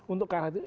untuk karena itu